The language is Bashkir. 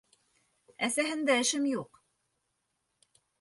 Әсәһендә эшем юҡ.